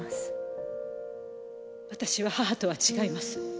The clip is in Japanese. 私は母とは違います。